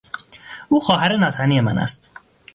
او خواهر ناتنی من است.